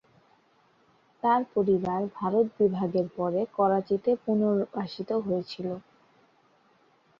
তাঁর পরিবার ভারত বিভাগের পরে করাচিতে পুনর্বাসিত হয়েছিল।